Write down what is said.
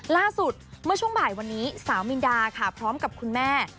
ล่าสุดเมื่อช่วงบ่ายวันนี้สาวมินดาค่ะพร้อมกับคุณแม่